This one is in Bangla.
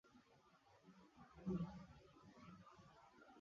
তুমি বন্দী নও।